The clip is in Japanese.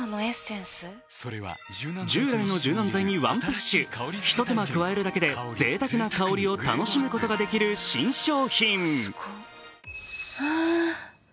従来の柔軟剤にワンプッシュ、ひと手間加えるだけで、ぜいたくな香りを楽しむことができる新商品。